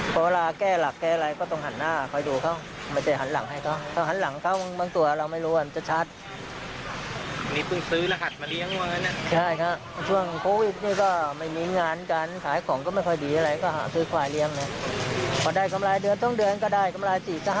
ก็รอดูอาการลูกชายอีกคนหนึ่งนะคะ